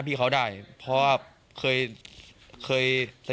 พี่เขาลงมาจากรถ